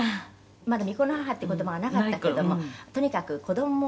「まだ“未婚の母”っていう言葉がなかったけどもとにかく子どもを」